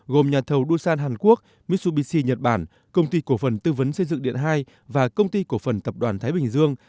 gồm nhà thầu dusan hàn quốc mitsubishi nhật bản công ty cổ phần tư vấn xây dựng điện hai và công ty cổ phần tập đoàn thái bình dương